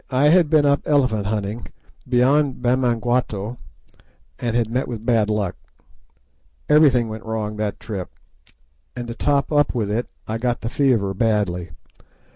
I had been up elephant hunting beyond Bamangwato, and had met with bad luck. Everything went wrong that trip, and to top up with I got the fever badly.